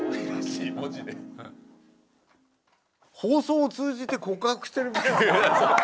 放送を通じて告白してるみたいに。